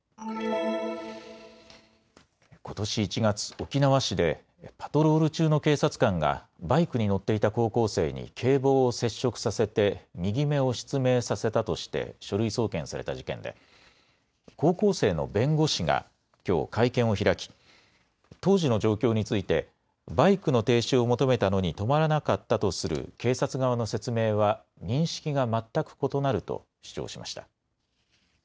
ことし１月、沖縄市でパトロール中の警察官がバイクに乗っていた高校生に警棒を接触させて右目を失明させたとして書類送検された事件で、高校生の弁護士がきょう会見を開き、当時の状況についてバイクの停止を求めたのに止まらなかったとする警察側の説明は認識が全く異なると主張しました。